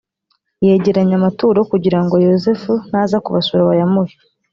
begeranya amaturo kugira ngo yosefu naza kubasura bayamuhe